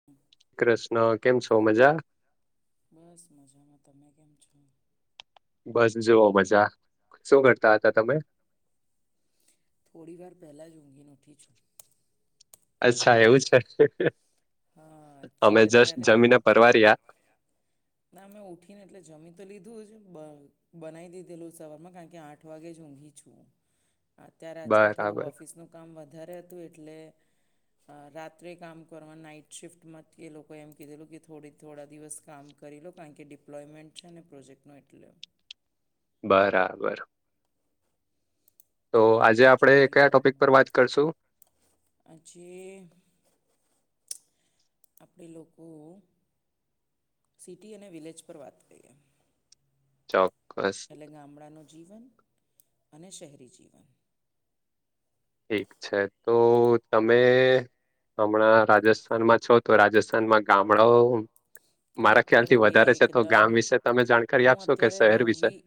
[inaudible] કૃષ્ણ કેમ છો મજા? બસ મજામાં તમે કેમ છો? બસ જુઓ મજા. શું કરતા હતા તમે? થોડી વાર પહેલા જ ઉંગીને ઉઠી છું. અચ્છા એવું છે. હા અમે એકચ્યુલી જસ્ટ અત્યારે જમીને પરવાર્યા? ના અમે ઉઠીને એટલે જમી તો લીધું બ બનાઇ દીધેલું સવારમાં કારણ કે આઠ વાગે ઊંઘી છું. અત્યારે આજકાલ થોડું બરાબર ઓફિસનું કામ વધારે હતું એટલે અ રાત્રે કામ કરવા નાઈટ શિફ્ટમાં એ લોકોએ એમ કીધેલું કે થોડી થોડા દિવસ કામ કરીલો કારણ કે ડિપ્લોયમેન્ટ છે ને પ્રોજેક્ટનું એટલે બરાબર! તો એટલે આજે આપડણે મજબૂરીમાં કયા ને ટોપિક પર એમાં. વાત કરશું? આજે આપણે લોકો સિટી અને વિલેજ પર વાત કરીએ. ચોક્કસ! એટલે ગામડાનું જીવન અને શહેરી જીવન ઠીક છે. તો તમે હમણાં રાજસ્થાનમાં છો તો રાજસ્થાન અને ગામડાઓ હું મારા ખ્યાલ થી અત્યારે વધારે છે. તો એકદમ ગામ વિશે તમે જાણકારી હું આપશો કે અત્યારે શહેર રહું વિશે? બી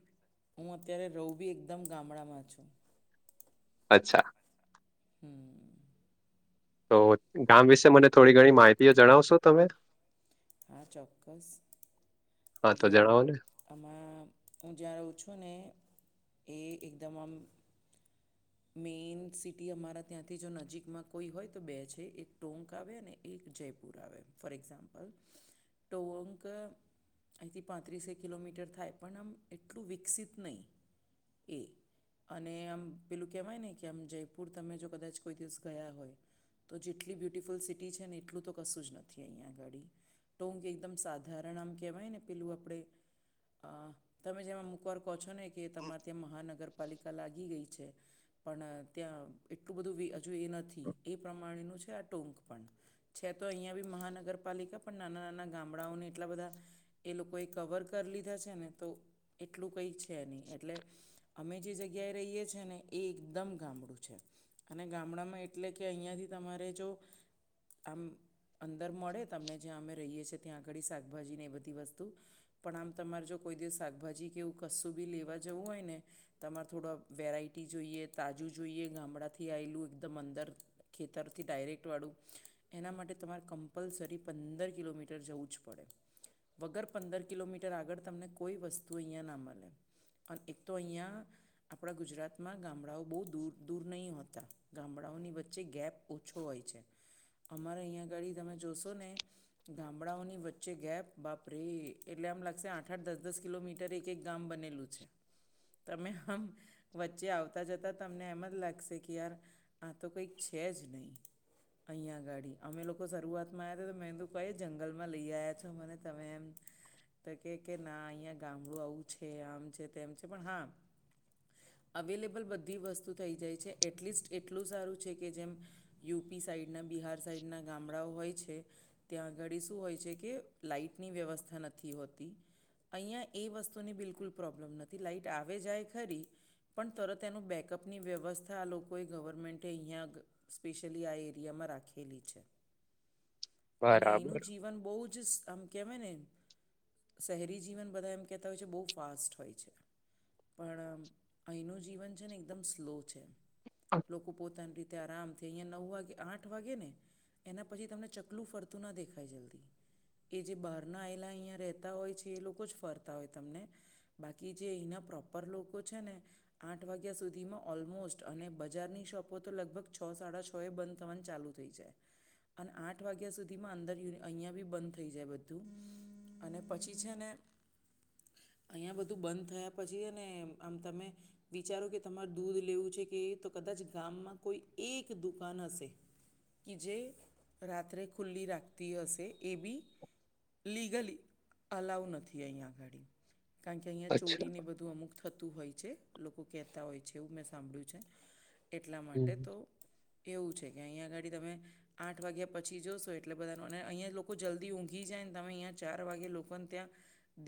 હું અત્યારે રવું બી એકદમ ગામડામાં છું. અચ્છા! હમ તો ગામ વિશે મને થોડી ઘણી માહિતીઓ જણાવશો તમે? હા ચોક્કસ હા તો જોવ જણાવો ને આમાં હું જ્યાં રહઉ છું ને એ એકદમ આમ મેઈન સિટી અમારા ત્યાંથી જો નજીકમાં કોઈ હોય તો બે છે એક ટોંક આવે ને એક જયપુર આવે ફોર એક્ઝામ્પલ ટોંક અહીંથી પાંત્રીસે કિલોમીટર થાય, પણ આમ એટલું વિકસિત નહીં. એ અને આમ પેલું કહેવાય નહી કે આમ જયપુર તમે જો કદાચ કોઈ દિવસ ગયા હોય. તો જેટલી બ્યુટિફુલ સિટી છે ને એટલું તો કશું જ નથી અહીંયા, આ ગાડી ટોંક એકદમ સાધારણ આમ કહેવાય ને પેલું આપણે તમે જેમાં અમુકવાર કહો છો ને કે, તમારે ત્યાં મહાનગરપાલિકા લાગી ગઈ છે? પણ ત્યાં એટલું બધું હજુ એ નથી એ પ્રમાણેનું છે આ ટૂંક પણ છે તો અહીંયા બી મહાનગરપાલિકા પણ નાના નાના ગામડાઓને એટલા બધા એ લોકોએ કવર કરી લીધા છે ને તો એટલું કંઈક છે નહીં એટલે અમે જે જગ્યાએ રહીએ છીએ ને એ એકદમ ગામડું છે અને ગામડામાં એટલે કે અહીંયાથી તમારે જો આમ અંદર મળે તમને જ્યાં અમે રહીએ છીએ ત્યાં આગળ શાકભાજીને એ બધી વસ્તુ પણ આમ તમારે જો કોઈ દિવસ શાકભાજી કે એવું કશું બી લેવા જવું હોય ને તમારે થોડા વેરાઈટી જોઈએ તાજું જોઈએ ગામડાથી આયેલું એકદમ અંદર ખેતરથી ડાયરેક્ટવાળું એના માટે તમારે કમ્પલસરી પંદર કિલોમીટર જવું જ પડે વગર પંદર કિલોમીટર આગળ તમને કોઈ વસ્તુ અહિયા ના મળે અને એક તો અહીંયા આપણા ગુજરાત માં ગામડાઓ બહુ દૂર દૂર નહીં હોતા ગામડાઓની વચ્ચે ગેપ ઓછો હોય છે અમારે અહીંયા અગાડી તમે જોશો ને ગામડાઓની વચ્ચે ગેપ બાપરે એટલે એમ લાગશે આઠ આઠ દસ દસ કિલોમીટર એક એક ગામ બનેલું છે તમે આમ વચ્ચે આવતા જતાં તમને એમ જ લાગશે કે યાર આ તો કંઈક છે જ નહીં અહીંયા ગાડી અમે લોકો શરૂઆતમાં આવ્યા હતા તો મેં તો કઈ જંગલમાં લઈ આવ્યા છો મને તમે એમ તો કે કે ના અહીંયા ગામડું આવું છે આમ છે તેમ છે પણ હા અવેલેબલ બધી વસ્તુ થઈ જાય છે એટલીસ્ટ એટલું સારું છે કે જેમ યુપી સાઈડના બિહાર સાઈડના ગામડાઓ હોય છે ત્યાં આ ઘાડી શું હોય છે કે લાઈટની વ્યવસ્થા નથી હોતી અહીંયા એ વસ્તુની બિલકુલ પ્રોબ્લમ નથી લાઇટ આવે જાય ખરી પણ તરત એનું બેકઅપની વ્યવસ્થા આ લોકોએ ગવર્મેન્ટે અહીંયા સ્પેશિયલી આ એરિયામાં રાખેલી છે અને અહીંનું બરાબર જીવન બોહ જ આમ કહેવાઇ ને એ શહેરી જીવન બધા એમ કહેતા હોય છે બોહ જ ફાસ્ટ હોય છે પણ અહીંનું જીવન છે ને એકદમ સ્લો છે લોકો પોતાની રી તે આરામ થી અહિયા નવ વાગે આઠ વાગે ને એના પછી તમને ચકલું ફરતું ના દેખાય જલ્દી એ જે બહારના આવેલા અહીંયા રહેતા હોય છે એ લોકો જ ફરતા હોય તમને બાકી જે અહીના પ્રોપર લોકો છે ને આઠ વાગ્યા સુધીમાં ઓલમોસ્ટ અને બજારની શોપો તો લગભગ છ સાડા છ એ બંધ થવાનું ચાલુ થઈ જાય અને આઠ વાગ્યા સુધીમાં અંદર યુન અહીંયા બી બંધ થઈ જાય બધું અને પછી છે ને અહીયા બધું બંધ થયા પછીને આમ તમે વિચારો કે તમારે દૂધ લેવું છે કે તો કદાચ ગામમાં કોઈ એક દુકાન હશે કે જે રાત્રે ખુલ્લી રાખતી હશે એ બી લીગલી અલ્લોઉં નથી અહિયાં અગાડી કારણ કે અહીંયા અચ્છા ચોરીને બધું અમુક થતું હોય છે લોકો કહેતા હોય છે એવું મેં સાંભળ્યું છે એટલા માટે હમ તો એવું છે કે અહીંયા ગાડી તમે આઠ વાગ્યા પછી જોશો એટલે બધાનો અહીંયા લોકો જલ્દી ઊંઘી જાય ને તમે અહીંયા ચાર વાગ્યાે લોકોને ત્યાં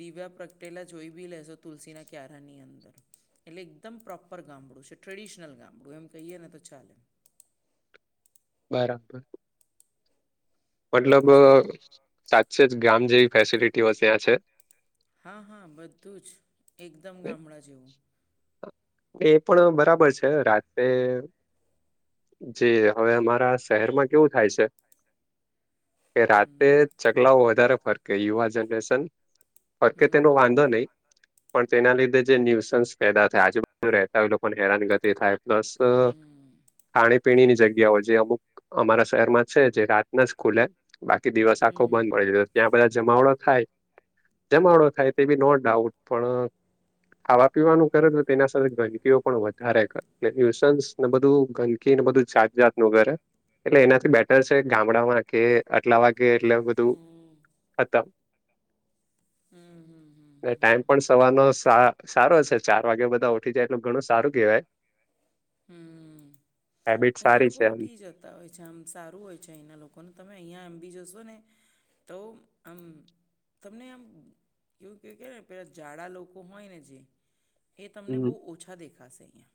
દિવા પ્રગટેલા જોઈ બી લેશો તુલસીના ક્યારાની અંદર એટલે એકદમ પ્રોપર ગામડું છે ટ્રેડિશનલ ગામડું એમ કહીએ ને તો ચાલે બરાબર તમે મતલબ જાણો સાચે જ ગામ જેવી ફેસિલિટીઓ ત્યાં છે હા હા બધું જ એકદમ ગામડા જેવું એ પણ બરાબર છે રાતે જે હવે અમારા શહેરમાં કેવું થાય છે કે હમ રાતે ચગલાઓ વધારે ફરકે યુવા જનરેશન ફરકે તેનો હમ વાંધો નહીં પણ તેના લીધે જે ન્યુસન્સ પેદા થાય આજુબજુ રહેતા હોય પણ હેરાન ગતિ થાય પ્લસ ખાણીપીણીની જગ્યાઓ જે અમુક અમારા શહેરમાં છે જે રાતના જ ખુલે બાકી દિવસ આખો બંધ મળી જ ત્યાં બધા જમાવડો થાય. જમાવડો થાય તે બી નો ડાઉટ પણ ખાવા પીવાનું કરે તો તેના ગંદકીઓ પણ વધારે કરે્યુસન્સ ને બધું ગંદકી ને બધું જાત જાતનું કરે. એટલે એનાથી બેટર છે ગામડામાં કે આટલા વાગે એટલે બધું હમ, [unintelligible] હમ, હમ, હમ. ટાઈમ હમ, પણ સવારનો સારો છે ચાર વાગે બધા એટલ ઘણું સારું કહેવાય હમ. હેબિટ સારી છે એમ. તા હોય છે આમ સારું હોય છે અહીંના લોકોને તમે અહીંયા એમ બી જશો ને તો હમ તમને આમ કેવું ક કે ને પેલાં જાડા લોકો હોય ને જે એ તમને હમ બહુ ઓછા દેખાશે અહીંયા.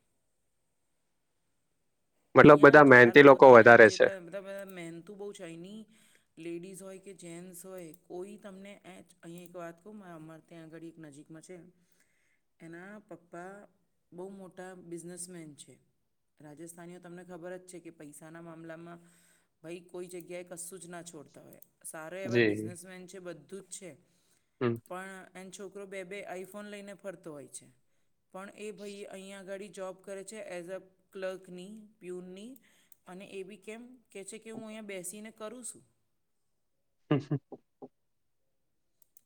મતલબ અહીંયા બધા ઝડા મહેનતી લોકો તમને આમ વધારે છે જેતા મતલબ મહેનતું બહુ છે એહીંની લેડીસ હોય કે જેન્ટસ હોય કોઈ તમને અહીં એક વાત ત્યાં આગળ એક નજીકમાં છે. એના પપ્પા બહુ મોટા બિઝનેસમેન છે રાજસ્થાનીઓ તમને ખબર જ છે કે પૈસાના મામલામાં ભાઈ કોઈ જગ્યાએ કશું જ ના છોડતા હોય. સારા એવા જી બિઝનેસમેન છે બધું જ છે. હમ. પણ એન છોકરો બે બે આઈફોન લઈને ફરતો હોય છે. પણ એ ભાઈ અહીંયા આગાડી જોબ કરે છે એઝ અ ક્લર્કની. પ્યુનની અને એ બી કેમ કહે છે કે હું અહીંયા બેસીને કરું છું. [unintelligible]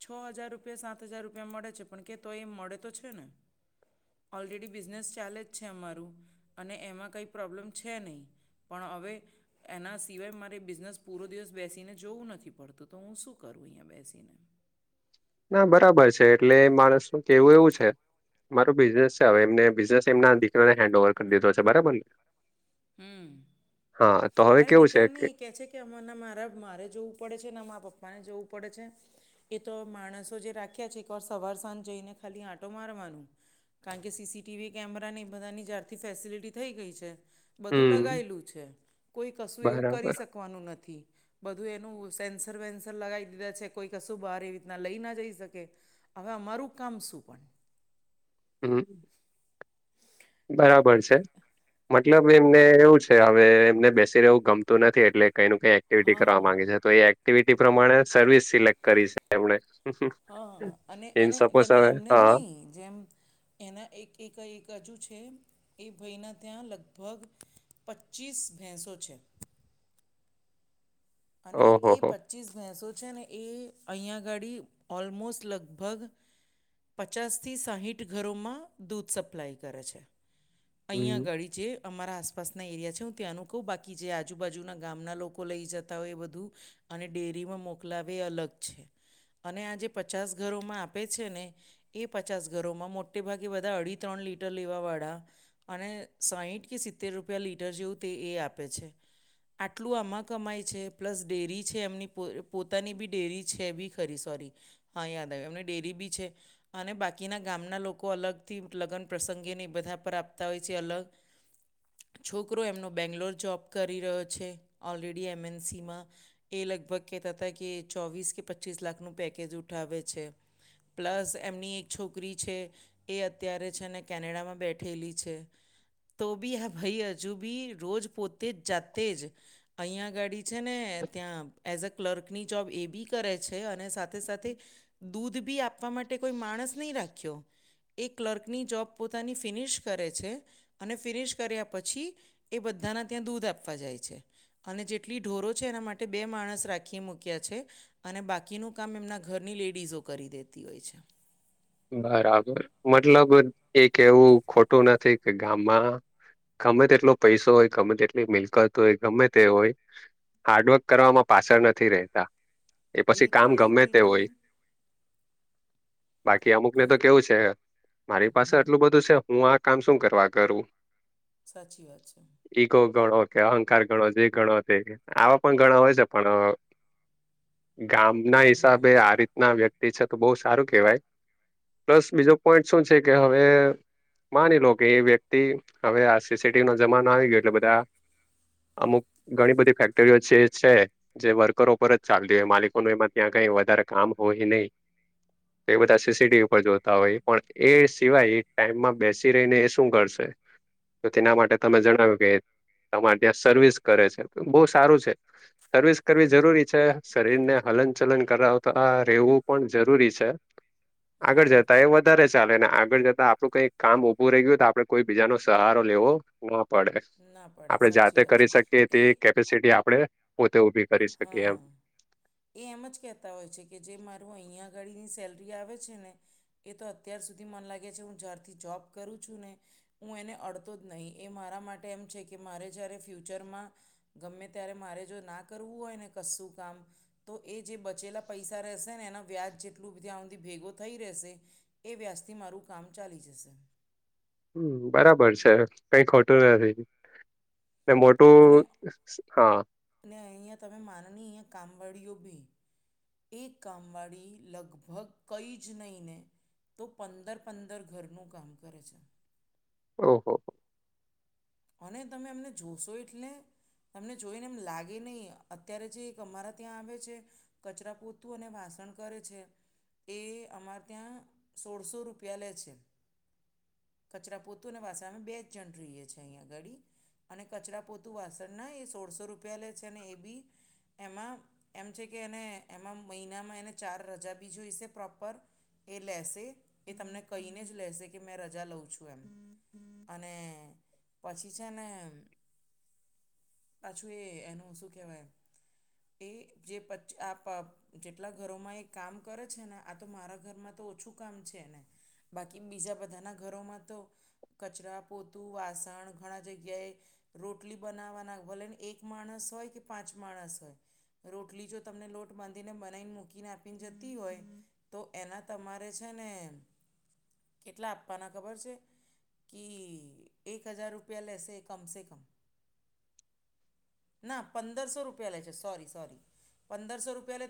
છ હજાર રૂપિયા સાત હજાર રૂપિયા મળે છે પણ કે તો એ મળે તો છે ને. ઓલરેડી બિઝનેસ ચાલે જ છે અમારું અને એમાં કંઈ પ્રોબ્લેમ છે નહીં. પણ હવે એના સિવાય મારે બિઝનેસ પૂરો દિવસ બેસીને જોવું નથી પડતું તો હું શું કરું અહીંયા બેસીને. ના બરાબર છે એટલે માણસ નું કેવું એવું છે. મારું બિઝનેસ છે હવે એમને બિઝનેસ એમના દીકરાને હેન્ડ ઓવર કરી દીધો છે બરાબર ને. હમ, હા તો હવે અરે કેવું છે દીકરાન નહી એ કે છે કે કે અમાં ના મારા મારે જોવું પડે છેને મારા પપ્પાને જોવું પડે છે. એ તો માણસો જે રાખ્યા છે એકવાર સવાર સાંજ જઈને ખાલી આંટો મારવાનું. કારણ કે સીસીટીવી કેમેરાને એ બધાની જ્યારથી ફેસિલિટી થઈ ગઈ છે. બધું હમ લગાયેલું છે કોઈ કશું એવું બરાબર કરી શકવાનું નથી. બધું એનું સેન્સર વેન્સર લગાવી દીધા છે કોઈ કશું બહાર એ રીતના લઈ ના જઈ શકે. હવે અમારું કામ શું હોય? હમ. [inaudible] બરાબર છે મતલબ એમને એવું છે હવે એમને બેસી રહેવું ગમતું નથી એટલે કઈ નું કઈ એક્ટિવિટી કરવા માંગે હા છે તો એ એક્ટિવિટી પ્રમાણે સર્વિસ સિલેક્ટ કરી છે એમને હા, અને અને તમે એમને જ હા નહીં જેમ એના એક એક એક કઈ હજુ છે. એ ભઈના ત્યાં લગભગ પચીસ ભેંસો છે. અને એ ઓહો હો પચીસ ભેંસો છે ને એ અહીંયા ગાડી ઓલમોસ્ટ લગભગ પચાસથી સાહીઠ ઘરોમાં દૂધ સપ્લાય કરે છે અહીંયા હમ ગાડી જે અમારા આસપાસના એરિયા છે હું ત્યાંનું કહું બાકી જે આજુબાજુના ગામના લોકો લઈ જત તા એ બધું અને ડેરીમાં મોકલાવે એ અલગ છે. અને આ જે પચાસ ઘરોમાં આપે છે ને એ પચાસ ઘરોમાં મોટેભાગે બધા અઢી ત્રણ લીટર લેવા વાડા અને સાહીઠ કે સિત્તેર રૂપિયા લીટર જેવું તે એ આપે છે. આટલું આમાં કમાય છે, પ્લસ ડેરી છે, એમની પો પોતાની બી ડેરી છે, બી ખરી સોરી હા યાદ આવ્યું એમને ડેરી બી છે. અને બાકીના ગામના લોકો અલગથી લગ્ન પ્રસંગેને એ બધા પર આપતા હોય છે, અલગ છોકરો એમનો બેંગ્લોર જોબ કરી રહ્યો છે, ઓલરેડી એમેન સીમા એ લગભગ કેતા હતા કે ચોવીસ કે પચીસ લાખનું પેકેજ ઉઠાવે છે. પ્લસ એમની એક છોકરી છે. એ અત્યારે છે, ને કેનેડામાં બેઠેલી છે. તો બી હા ભાઈ હજુ બી રોજ પોતે જ જાતે જ અહીંયા આગાડી છે, ને ત્યાં એઝ અ ક્લર્કની જોબ એ બી કરે છે, અને સાથે સાથે દૂધ બી આપવા માટે કોઈ માણસ નહીં રાખ્યો એ ક્લર્કની જોબ પોતાની ફિનિશ કરે છે. અને ફિનિશ કર્યા પછી એ બધાના ત્યાં દૂધ આપવા જાય છે, અને જે ટલી ઢોરો છે, એના માટે બે માણસ રાખી મૂક્યા છે. અને બાકીનું કામ એમના ઘરની લેડીઝો કરી દેતી હોય છે. બરાબર મતલબ એક એવું ખોટું નથી કે ગામમાં ગમે તેટલો પૈસો હોય ગમે તેટલી મિલકત હોય ગમે તે હોય હાર્ડવર્ક કરવામાં પાછળ નથી રહેતા એ પછી કામ બિલકુલ નહીં ગમે તે બિલકુલ હોય નહીં બાકી અમુક ને તો અહીં કેવું છે, મારી પાસે હમ આટલું બધું છે, હું આ કામ શું કરવા કરું સાચી વાત છે. ઈગો ગણો કે અહંકાર ગણો જે ગણો તે આવા પણ ગણા હોય છે, પણ ગામના હિસાબે હમ આ રીતના વ્યક્તિ છે, તો બો સારું કેવાય પ્લસ બીજો પોઈન્ટ શું છે, કે હવે માની લો કે એ વ્યક્તિ હવે આ સીસીટીવી નો જમાનો આવી ગયો એટલે બધા અમુક ઘણી બધી ફેક્ટરીઓ છે, છે. જે વર્કરો પર જ ચાલતી હોય માલિકોનું એમાં ત્યાં કઈ વધારે કામ હોય નહી એ બધા સીસીટીવી પર જોતા હોય પણ એ સિવાય ટાઈમમાં બેસી રહીને એ શું કરશે તો તેના માટે તમે જણાવ્યું કે તમારે ત્યાં સર્વિસ કરે છે, બો સારું છે. સર્વિસ કરવી હમ જરૂરી છે, શરીર ને હલન ચલન કરાવતા રહેવું પણ જરૂરી છે. આગળ હમ જતા એ વ ધારે ચાલે ને આગળ જતા આપડું કઈક કામ ઊભું રહી ગયું તો આપડે કોઈ બીજાનો સહારો લેવો ન પડે ના પડે આપડે સાચી જાતે વાત છે કરી શકીએ તે એ કેપેસિટી આપડે પોતે ઉભી કરી શકીએ હા. એમ એ એમ જ કહેતા હોય છે, કે જે મારું અહીંયા આગાડીની સેલરી આવે છે, ને એ તો અત્યાર સુધી મન લાગે છે, હું જ્યારથી જોબ કરું છું ને ઉ એને અડતો જ નહીં એ મારા માટે એમ છે, કે મારે જય્યારે ફ્યુચરમાં ગમે ત્યારે મારે જો ના કરવું હોય ને કસ્સું કામ તો એ જે બચેલા પૈસા રહેશે ને એના વ્યાજ જેટલું બ તયા હુધી ભેગુ થઈ રહેશે એ વ્યાજથી મારું કામ ચાલી જશે હમ બરાબર છે, કઈ ખોટું નથી મોટું હા. ને અહંયા તમે માનની કામવાળીઓ બી એ કામવાળી લગભગ કઈ જ નહીં ને તો પંદર પંદર ઘરનું કામ કરે છે. ઓહો અને તમે અમને જોશો એટલે તમને જોઈને એમ લાગે નહીં અત્યારે જે એક અમારા ત્યાં આવે છે. કચરા, પોતું અને વાસણ કરે છે. એ અમારે ત્યાં સોળસો રૂપિયા લે છે. કચરા પોતું અને વાસણ અમે બે જણ ધોઈએ છઈએ અગાડી અને કચરા પોતું વાસણ ના એ સોળસો રૂપિયા લે છે અને એ બી એમાં એમ છે કે એને એમાં મહિનામાં એને ચાર રજા બી જોઈશે પ્રોપર એ લેશે એ તમને કહીને જ લેશે કે મેં રજા લઉં છું એમ અને પછી છે ને પાછું એ એનું શું કેહેવાય એ જે પચ્છ આપપ જેટલા ઘરોમાં એ કામ કરે છે ને આ તો મારા ઘરમાં તો ઓછું કામ છે એને બાકી બીજા બધાના ઘરોમાં તો કચરા, પોતું, વાસણ પણ ઘણા જગ્યાએ રોટલી બનાવવાના ભલેને એક માણસ હોય કે પાંચ માણસ હોય રોટલી જો તમને લોટ બાંધીને બનાઈન મૂકીને આપીન જતી હોય તો એના તમારે છે ને કેટલા આપવાના ખબર છે કી એક હજાર રૂ પિયા લેશે કમસે કમ ના પંદરસો રૂપિયા લે છે સોરી સોરી પંદરસો રૂપિયા લે